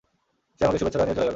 সে আমাকে শুভেচ্ছা জানিয়ে চলে গেল।